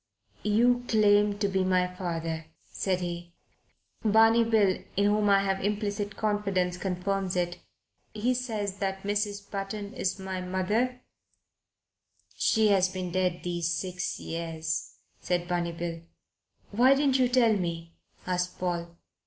"You claim to be my father," said he. "Barney Bill, in whom I have implicit confidence, confirms it. He says that Mrs. Button is my mother " "She has been dead these six years," said Barney Bill. "Why didn't you tell me?" asked Paul.